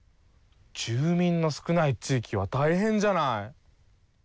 住民の少ない地域はたいへんじゃない！